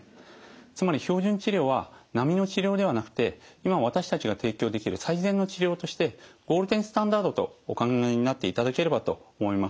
つまり標準治療は並みの治療ではなくて今私たちが提供できる最善の治療としてゴールデンスタンダードとお考えになっていただければと思います。